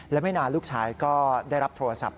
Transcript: และไม่นานลูกชายก็ได้รับโทรศัพท์